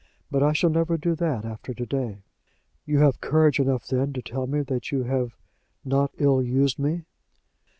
But I shall never do that after to day." "You have courage enough, then, to tell me that you have not ill used me?"